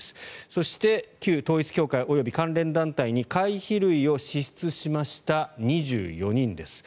そして旧統一教会及び関連団体に会費類を支出しました２４人です。